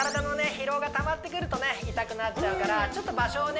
疲労がたまってくるとね痛くなっちゃうからちょっと場所をね